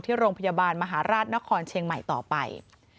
ที่โรงพยาบาลมหาราชนครเชียงใหม่ต่อไป